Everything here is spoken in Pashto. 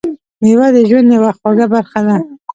میوه د ژوند یوه خوږه برخه ده.